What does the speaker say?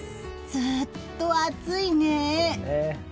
ずっと暑いね。